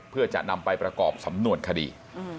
เพื่อจะนำไปประกอบสำนวนคดี